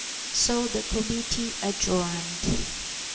So the Committee adjourned.